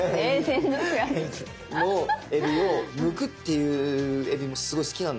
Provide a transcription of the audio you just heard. のえびをむくっていうえびもすごい好きなんですよね。